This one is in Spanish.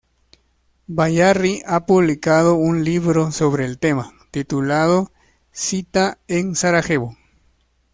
Bayarri ha publicado un libro sobre el tema, titulado "Cita en Sarajevo".